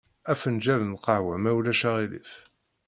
Afenǧal n lqehwa, ma ulac aɣilif.